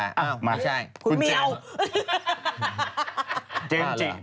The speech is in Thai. อ้าวไม่ใช่คุณเจมส์อ้าวคุณเจมส์อ้าวคุณเจมส์